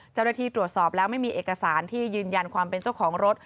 เจ้าหน้าที่ตรวจสอบแล้วไม่มีเอกสารที่ยืนยันความเป็นเจ้าของรถ